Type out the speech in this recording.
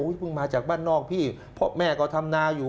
เพิ่งมาจากบ้านนอกพี่เพราะแม่ก็ทำนาอยู่